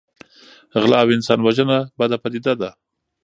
غلا او انسان وژنه بده پدیده ده.